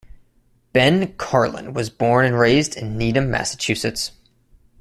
Ben Karlin was born and raised in Needham, Massachusetts.